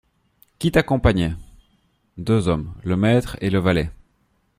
Qui t'accompagnait ? Deux hommes : le maître et le valet.